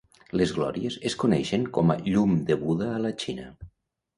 Les glòries es coneixen com a Llum de Buda a la Xina.